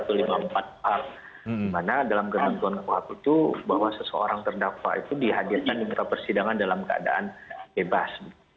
dimana dalam gerakan satu satu itu bahwa seseorang terdakwa itu dihadirkan di muka persidangan dalam keadaan bebas